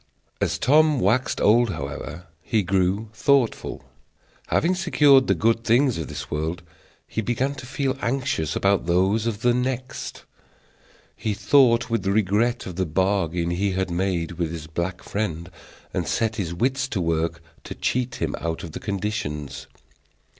As Tom waxed old, however, he grew thoughtful. Having secured the good things of this world, he began to feel anxious about those of the next. He thought with regret of the bargain he had made with his black friend, and set his wits to work to cheat him out of the conditions.